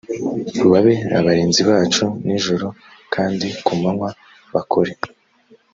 babe abarinzi bacu nijoro, kandi ku manywa bakore